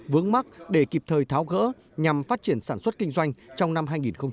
vướng mắt để kịp thời tháo gỡ nhằm phát triển sản xuất kinh doanh trong năm hai nghìn hai mươi